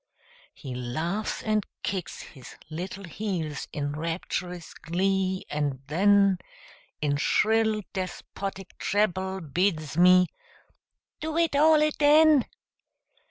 He laughs and kicks his little heels in rapturous glee, and then In shrill, despotic treble bids me "do it all aden!"